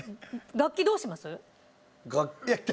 「楽器どうします？」。